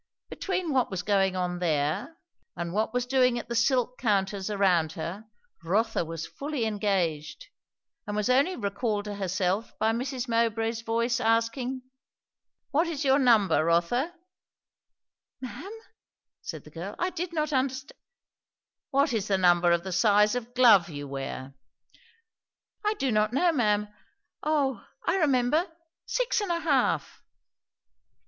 Between what was going on there, and what was doing at the silk counters around her, Rotha was fully engaged, and was only recalled to herself by Mrs. Mowbray's voice asking, "What is your number, Rotha?" "Ma'am?" said the girl "I did not understand " "What is the number of the size of glove you wear?" "I do not know, ma'am O, I remember! six and a half."